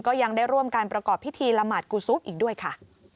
ยังได้ร่วมการประกอบพิธีละหมาดกูซุปอีกด้วยค่ะ